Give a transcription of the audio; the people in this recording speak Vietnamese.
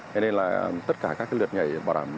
thế nên là tất cả các lượt nhảy